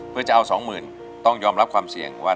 เพื่อจะเอาสองหมื่นต้องยอมรับความเสี่ยงว่า